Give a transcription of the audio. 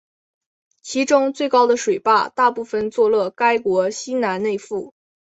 其中最高的水坝大部分坐落该国西南内腹。